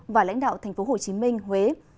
và lãnh đạo thành phố hồ chí minh huế